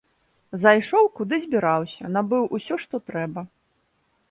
Зайшоў, куды збіраўся, набыў усё, што трэба.